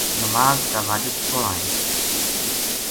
نماز کا واجب سولہ ہیں۔